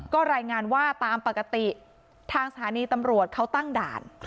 ก็รายงานว่าตามปกติทางสถานีตำรวจเขาตั้งด่าน